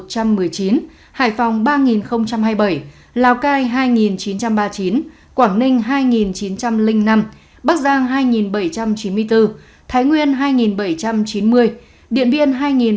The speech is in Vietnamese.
hải phòng ba hai mươi bảy lào cai hai chín trăm ba mươi chín quảng ninh hai chín trăm linh năm bắc giang hai bảy trăm chín mươi bốn thái nguyên hai bảy trăm chín mươi điện viên hai bảy trăm bảy mươi hai